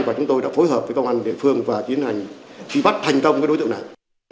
và chúng tôi đã phối hợp với công an địa phương và tiến hành truy bắt thành công đối tượng này